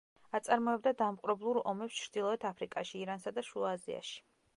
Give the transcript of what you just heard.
აწარმოებდა დამპყრობლურ ომებს ჩრდილოეთ აფრიკაში, ირანსა და შუა აზიაში.